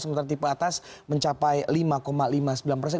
sementara tipe atas mencapai lima lima puluh sembilan persen